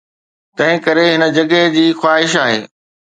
تنهنڪري هن جڳهه جي خواهش آهي